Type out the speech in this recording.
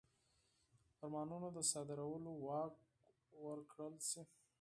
فرمانونو د صادرولو واک ورکړل شي.